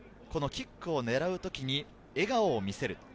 キックを狙う時に笑顔を見せる。